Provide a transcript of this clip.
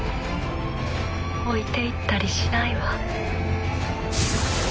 置いていったりしないわ。